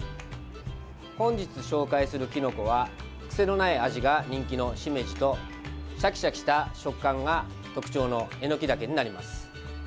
本日、紹介するきのこは癖のない味が人気のしめじとシャキシャキした食感が特徴のえのきだけになります。